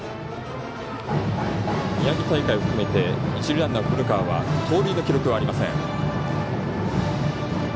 宮城大会を含めて一塁ランナー古川は盗塁の記録はありません。